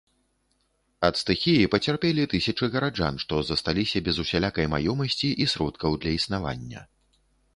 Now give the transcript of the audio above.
Ад стыхіі пацярпелі тысячы гараджан, што засталіся без усялякай маёмасці і сродкаў для існавання.